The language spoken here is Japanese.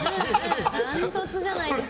ダントツじゃないですか？